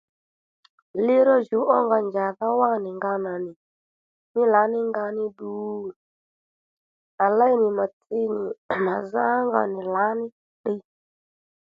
Liro jǔw ó nga njàdha wá nì nga nà nì mí lǎní nga ní ddu à léy nì mà tsi nì mà zá ó nga nì lǎní ddiy